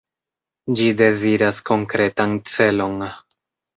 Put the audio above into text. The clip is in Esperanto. Ĝi deziras konkretan celon.